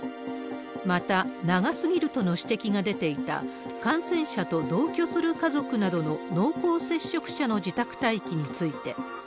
また、長すぎるとの指摘が出ていた、感染者と同居する家族などの濃厚接触者の自宅待機について。